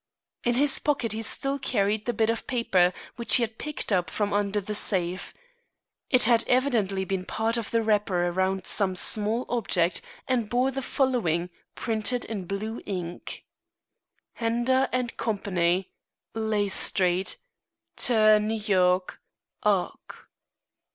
In his pocket he still carried the bit of paper which he had picked up from under the safe. It had evidently been part of the wrapper around some small object, and bore the following, printed in blue ink: nder & Co., ley Street, ter, N. Y. ark.